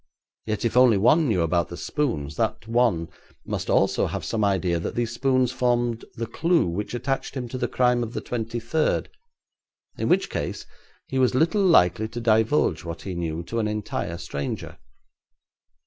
Yet if only one knew about the spoons, that one must also have some idea that these spoons formed the clue which attached him to the crime of the twenty third, in which case he was little likely to divulge what he knew to an entire stranger.